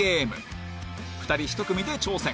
２人１組で挑戦